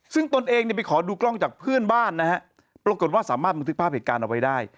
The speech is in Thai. ซึ่งตนเองเนี่ยไปขอดูกล้องจากเพื่อนบ้านนะฮะปรากฏว่าสามารถบันทึกภาพเหตุการณ์เอาไว้ได้